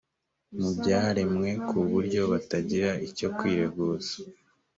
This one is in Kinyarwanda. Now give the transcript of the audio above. mu byaremwe c ku buryo batagira icyo kwireguza